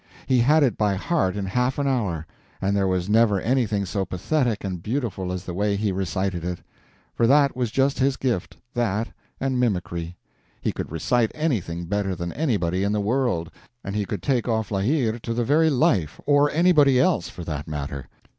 He had it by heart in half an hour, and there was never anything so pathetic and beautiful as the way he recited it. For that was just his gift—that and mimicry. He could recite anything better than anybody in the world, and he could take of La Hire to the very life—or anybody else, for that matter.